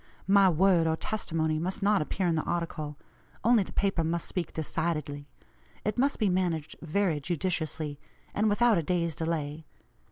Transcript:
My word or testimony must not appear in the article; only the paper must speak decidedly. It must be managed very judiciously, and without a day's delay.